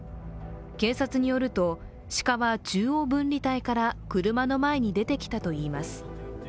警察によると鹿は、中央分離帯から車の前に出てきたといいます。